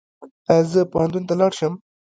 ایا زه پوهنتون ته لاړ شم؟